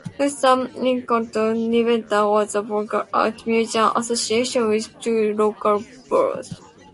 Crystal, Nye County, Nevada has a brothel art museum associated with two local brothels.